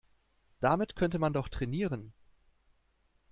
Damit könnte man doch trainieren.